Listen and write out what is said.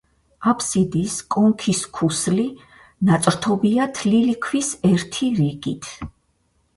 აფსიდის კონქის ქუსლი ნაწყობია თლილი ქვის ერთი რიგით.